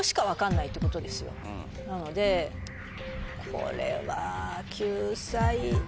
なのでこれは救済。